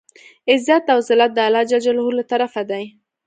عزت او زلت د الله ج له طرفه دی.